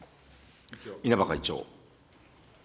稲葉会長。